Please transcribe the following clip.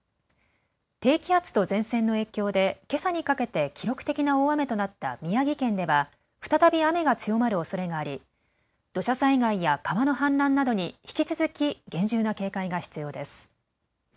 低気圧と前線の影響でけさにかけて記録的な大雨となった宮城県では再び雨が強まるおそれがあり土砂災害や川の氾濫などに引き続き厳重な警戒が必要です。